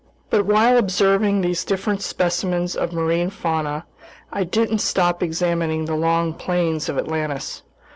But while observing these different specimens of marine fauna, I didn't stop examining the long plains of Atlantis.